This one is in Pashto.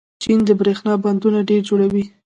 چین د برښنا بندونه ډېر جوړوي.